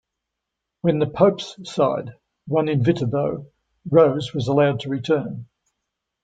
When the pope's side won in Viterbo, Rose was allowed to return.